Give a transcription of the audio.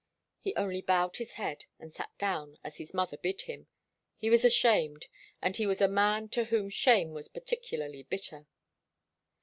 He only bowed his head, and sat down, as his mother bid him. He was ashamed, and he was a man to whom shame was particularly bitter.